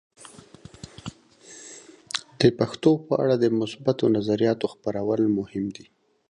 د پښتو په اړه د مثبتو نظریاتو خپرول مهم دي.